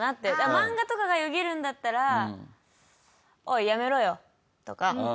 漫画とかがよぎるんだったら「おいやめろよ」とか。